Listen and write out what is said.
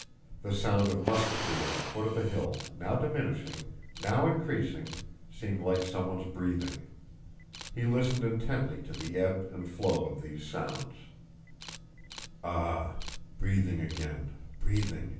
The sound of musketry at the foot of the hill, now diminishing, now increasing, seemed like someone's breathing. He listened intently to the ebb and flow of these sounds. * Daughter of Matthew. "Ah! Breathing again, breathing!"